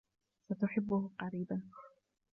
ستحبه قريبا.